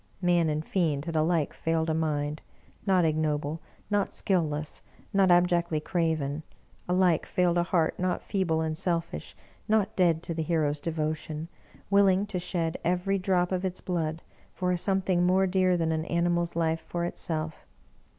Man and fiend had alike failed a mind, not ignoble, not skill less, not abjectly craven ; alike failed a heart not feeble and selfish, not dead to the hero's de votion, willing to shed every drop of its blood for a some thing more dear than an animal's life for itself!